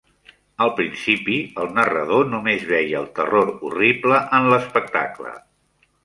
Al principi, el narrador només veia el terror horrible en l'espectacle.